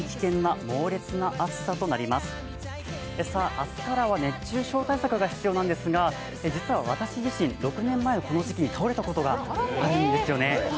明日からは熱中症対策が必要なんですが実は私自身、６年前、この時期に倒れたことがあるんですよね。